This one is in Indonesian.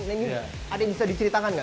nah ini ada yang bisa diceritakan nggak